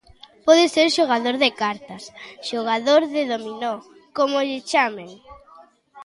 Pode ser xogador de cartas, xogador de dominó, como lle chamen.